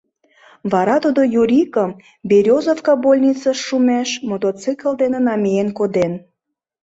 Вара тудо Юрикым Берёзовка больницыш шумеш мотоцикл дене намиен коден...